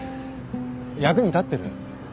役に立ってる？